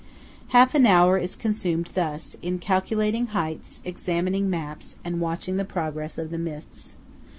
Half an hour is consumed thus, in calculating heights, examining maps, and watching the progress of the mists.